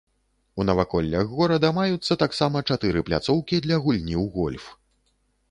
У наваколлях горада маюцца таксама чатыры пляцоўкі для гульні ў гольф.